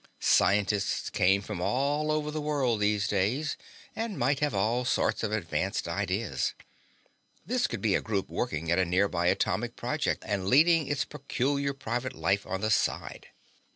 Scientists came from all over the world these days and might have all sorts of advanced ideas. This could be a group working at a nearby atomic project and leading its peculiar private life on the side.